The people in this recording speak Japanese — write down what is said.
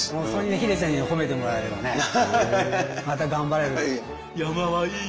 秀ちゃんに褒めてもらえればねまた頑張れる。